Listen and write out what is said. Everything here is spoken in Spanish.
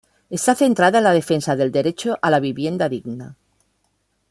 Está centrada en la defensa del Derecho a la vivienda digna.